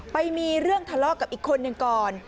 ไปมีเรื่องทะเลาะกับอีกคนหนึ่งก่อน